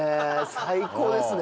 最高ですね。